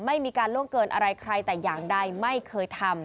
ไม่มีการล่วงเกินอะไรใครแต่อย่างใดไม่เคยทำ